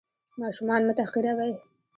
ماشومان مه تحقیروئ.